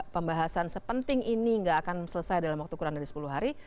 pembahasan sepenting ini nggak akan selesai dalam waktu kurang dari sepuluh hari